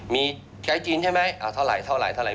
มีไข่จีนใช่ไหมเอาเท่าไหร่เท่าไหร่เท่าไหร่